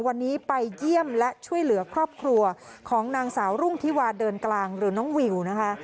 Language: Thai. วันนี้ไปเยี่ยมและช่วยเหลือครอบครัวของนางสาวรุ่งธิวาเดินกลางหรือน้องวิวนะคะ